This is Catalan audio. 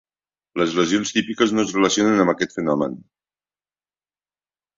Les lesions típiques no es relacionen amb aquest fenomen.